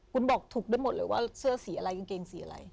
คุณบอกถูกได้หมดเลยว่าเสื้อสีอะไรกางเกงสีอะไร